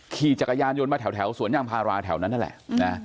ขี่จักรยานยนต์มาแถวสวนยางพาราแถวนั้นนั่นแหละนะ